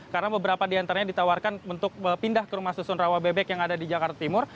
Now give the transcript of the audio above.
karena beberapa diantaranya ditawarkan untuk pindah ke rumah susun rawa bebek yang ada di jakarta timur